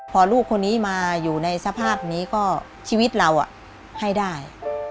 พอลูกคนนี้มาอยู่ในสภาพนี้ก็ชีวิตเราให้ได้